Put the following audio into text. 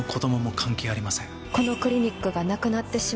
このクリニックがなくなってしまう。